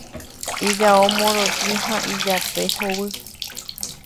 ijao morotĩ ha ijape hovy